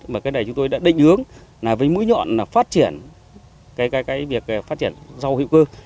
mà cái này chúng tôi đã định hướng là với mũi nhọn phát triển cái việc phát triển rau hiệu cư